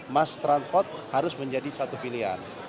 mass transport harus menjadi satu pilihan